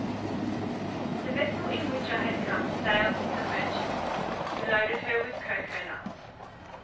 The vessel in which I had come sailed with some merchants, who loaded her with cocoa nuts.